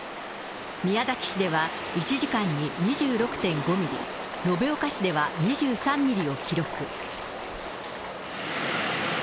宮崎市では１時間に２６．５ミリ、延岡市では２３ミリを記録。